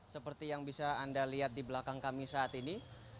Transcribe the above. seperti yang bisa anda lihat di belakang kami saat ini